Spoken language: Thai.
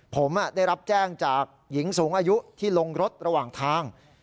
ผมได้รับแจ้งจากหญิงสูงอายุที่ลงรถระหว่างทาง